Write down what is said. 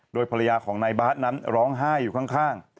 โดยภรรยาของนายบาทนั้นร้องไห้อยู่ข้าง